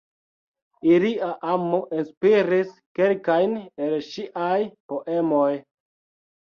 Ilia amo inspiris kelkajn el ŝiaj poemoj.